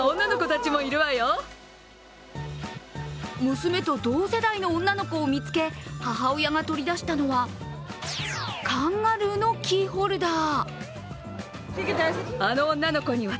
娘と同世代の女の子を見つけ母親が取り出したのはカンガルーのキーホルダー。